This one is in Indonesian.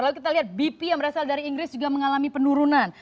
lalu kita lihat bp yang berasal dari inggris juga mengalami penurunan